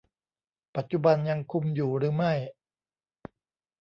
ปัจจุบันยังคุมอยู่หรือไม่